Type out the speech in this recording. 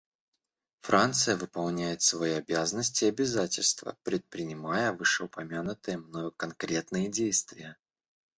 Франция выполняет свои обязанности и обязательства, предпринимая вышеупомянутые мною конкретные действия.